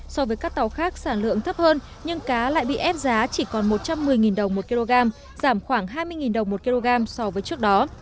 so với các tàu khác sản lượng thấp hơn nhưng cá lại bị ép giá chỉ còn một trăm một mươi đồng một kg giảm khoảng hai mươi đồng một kg so với trước đó